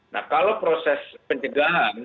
nah kalau proses pencegahan